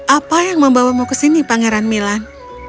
apa yang membawamu ke sini pangeran milan